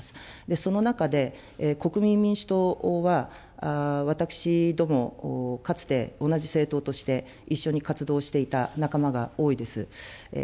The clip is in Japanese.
その中で、国民民主党は、私ども、かつて同じ政党として一緒に活動していた仲間が多いです。